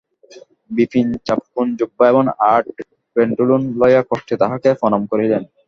বিপিন চাপকান জোব্বা এবং আঁট প্যাণ্টলুন লইয়া কষ্টে তাঁহাকে প্রণাম করিলেন।